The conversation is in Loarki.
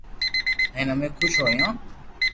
ھين امي خوݾ ھويو